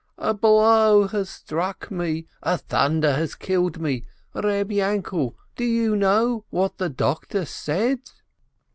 "A blow has struck me ! A thunder has killed me ! Reb Yainkel, do you know what the doctor said?"